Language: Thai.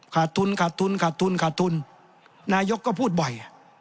ขาดทุนขาดทุนขาดทุนขาดทุนนายกก็พูดบ่อย